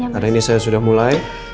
karena ini saya sudah mulai